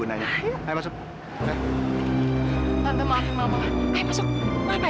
nana pamit dulu ya pak maman ya